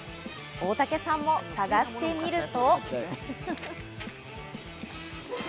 大竹さんも探してみると。